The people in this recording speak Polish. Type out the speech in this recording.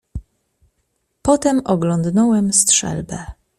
"Potem oglądnąłem strzelbę."